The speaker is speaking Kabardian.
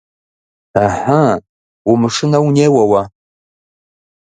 Ыхьы, умышынэу неуэ уэ.